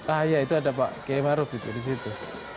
ah ya itu ada pak k maruf di situ